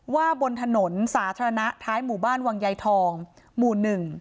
ว่าบนถนนสาธารณะท้ายหมู่บ้านวังไยทองหมู่๑